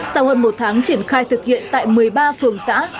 sau hơn một tháng triển khai thực hiện tại một mươi ba phường xã